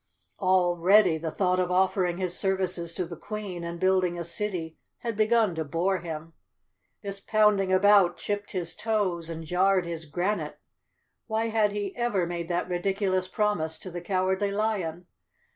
Already the thought of offering his services to the Queen and building a city had begun to bore him. This pounding about chipped his toes and jarred his gran¬ ite. Why had he ever made that ridiculous promise to the Cowardly Lion?